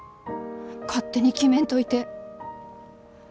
勝手に決めんといて。